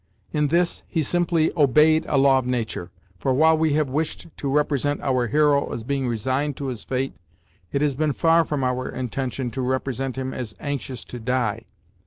In this, he simply obeyed a law of nature; for while we have wished to represent our hero as being resigned to his fate, it has been far from our intention to represent him as anxious to die.